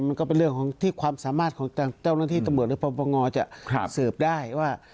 มันก็เป็นเรื่องของที่ความสามารถของเจ้าหน้าที่ตำรวจหรือปปงจะสืบได้ว่า